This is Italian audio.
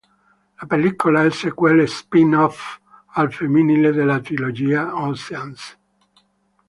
La pellicola è sequel e spin-off al femminile della trilogia Ocean's.